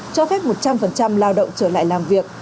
cho phép một trăm linh lao động trở lại làm việc